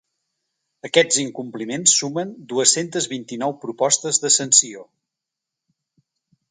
Aquests incompliments sumen dues-centes vint-i-nou propostes de sanció.